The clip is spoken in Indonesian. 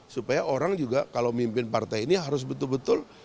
supaya orang juga kalau mimpin partai ini harus betul betul